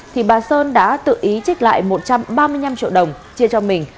thì bà sơn đã tự ý trích lại một trăm ba mươi năm triệu đồng chia cho mình